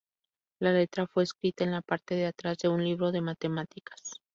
La letra fue escrita en la parte de atrás de un libro de matemáticas.